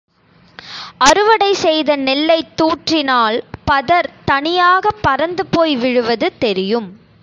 அறுவடை செய்த நெல்லைத் தூற்றினால் பதர் தனியாகப் பறந்து போய் விழுவது தெரியும்.